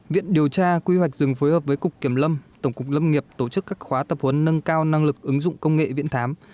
viện điều tra quy hoạch rừng phối hợp với cục kiểm lâm tổng cục lâm nghiệp tổ chức các khóa tập huấn nâng cao năng lực ứng dụng công nghệ viễn thám